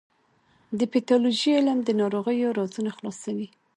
د پیتالوژي علم د ناروغیو رازونه خلاصوي.